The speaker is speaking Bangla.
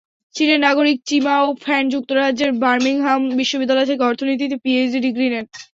চীনের নাগরিক চিমিয়াও ফ্যান যুক্তরাজ্যের বার্মিংহাম বিশ্ববিদ্যালয় থেকে অর্থনীতিতে পিএইচডি ডিগ্রি নেন।